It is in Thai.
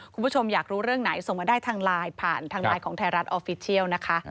คุณผู้ชมอยากรู้เรื่องไหนส่งมาได้ทางไลน์ผ่านทางไลน์ของไทยรัฐออฟฟิเชียลนะคะ